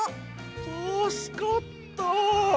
たすかった！